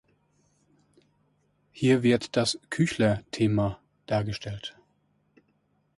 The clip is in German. Hier wird das "Küchler-Thema" dargestellt.